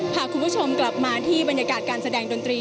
พาคุณผู้ชมกลับมาที่บรรยากาศการแสดงดนตรี